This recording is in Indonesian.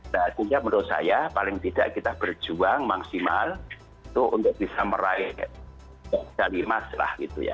nah sehingga menurut saya paling tidak kita berjuang maksimal itu untuk bisa meraih medali emas lah gitu ya